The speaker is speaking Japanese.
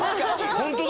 ホントだ。